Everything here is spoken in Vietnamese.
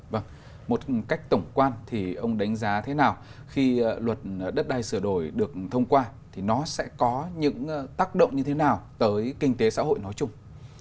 vâng một cách tổng quan thì ông đánh giá thế nào khi luật đất đai sửa đổi được thông qua thì nó sẽ có những tác động như thế nào tới kinh tế xã hội nói chung